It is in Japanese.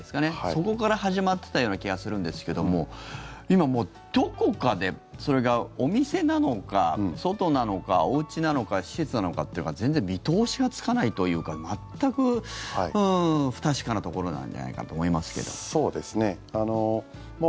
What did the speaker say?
そこから始まっていたような気がするんですけど今もう、どこかでそれがお店なのか外なのかおうちなのか施設なのかっていうのが全然見通しがつかないというか全く不確かなところなんじゃないかと思いますけども。